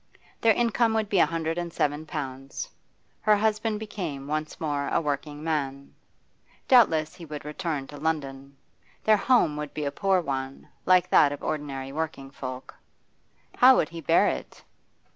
Their income would be a hundred and seven pounds. Her husband became once more a working man. Doubtless he would return to London; their home would be a poor one, like that of ordinary working folk. How would he bear it?